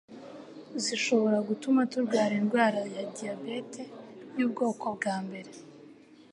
zishobora gutuma turwara indwara ya diyabete y'ubwoko bwa mbere